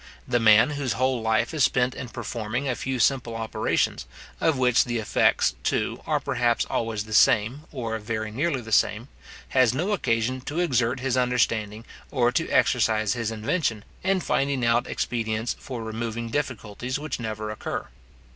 The man whose whole life is spent in performing a few simple operations, of which the effects, too, are perhaps always the same, or very nearly the same, has no occasion to exert his understanding, or to exercise his invention, in finding out expedients for removing difficulties which never occur.